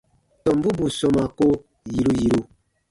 Tɔmbu bù sɔmaa ko yiru yiru.